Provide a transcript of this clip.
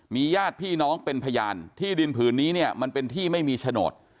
ญาติพี่น้องเป็นพยานที่ดินผืนนี้เนี่ยมันเป็นที่ไม่มีโฉนด